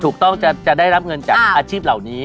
ถูกต้องจะได้รับเงินจากอาชีพเหล่านี้